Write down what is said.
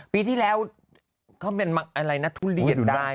ปีที่แล้วเขาเป็นทุเรียสได้